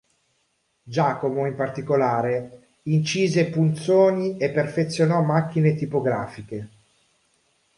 Giacomo in particolare incise punzoni e perfezionò macchine tipografiche.